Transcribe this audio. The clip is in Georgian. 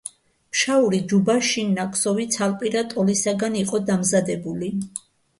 ფშაური ჯუბა შინ ნაქსოვი ცალპირა ტოლისაგან იყო დამზადებული.